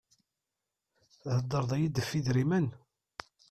Thedreḍ-iy-d ɣef yidrimen.